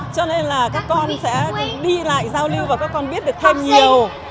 cho nên là các con sẽ đi lại giao lưu và các con biết được thêm nhiều